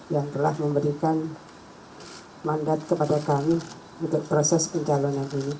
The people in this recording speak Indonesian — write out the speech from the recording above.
yang telah memberikan mandat kepada kami untuk proses pencalonan ini